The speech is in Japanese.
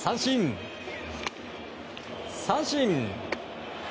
三振。